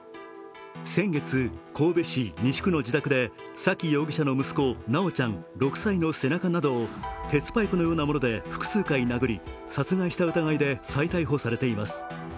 先月、神戸市西区の自宅で沙喜容疑者の息子、修ちゃん、６歳の背中などを鉄パイプのようなもので複数回殴り殺害した疑いで再逮捕されています。